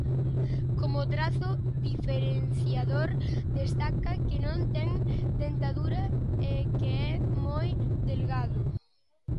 Como trazo diferenciador destaca que non ten dentadura e que é moi delgado.